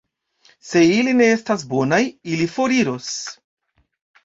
Se ili ne estas bonaj, ili foriros.